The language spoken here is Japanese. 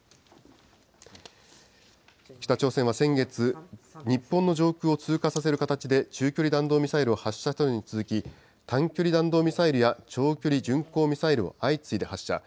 北朝鮮は先月、日本の上空を通過させる形で中距離弾道ミサイルを発射したのに続き、短距離弾道ミサイルや長距離巡航ミサイルを相次いで発射。